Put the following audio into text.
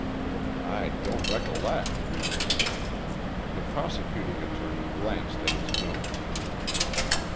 "I don't recollect." The prosecuting attorney glanced at his notes.